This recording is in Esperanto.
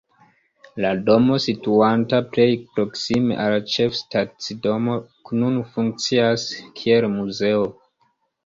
La domo, situanta plej proksime al ĉefstacidomo, nun funkcias kiel muzeo.